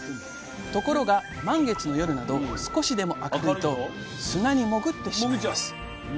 ところが満月の夜など少しでも明るいと砂に潜ってしまいます。